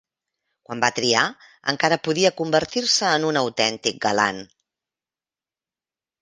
Quan va triar, encara podia convertir-se en un autèntic galant.